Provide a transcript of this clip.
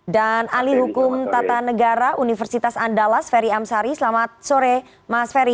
dan alih hukum tata negara universitas andalas ferry amsari selamat sore mas ferry